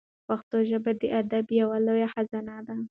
پښتو ژبه د ادب یوه لویه خزانه ده.